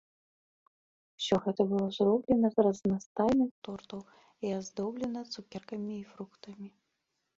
Усё гэта было зроблена з разнастайных тортаў і аздоблена цукеркамі і фруктамі.